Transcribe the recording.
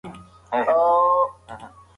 پښتو ژبه زموږ د تاریخي ویاړونو ژبه ده.